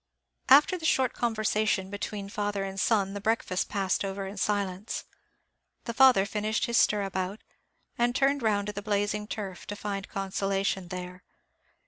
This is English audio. After the short conversation between father and son the breakfast passed over in silence. The father finished his stirabout, and turned round to the blazing turf, to find consolation there.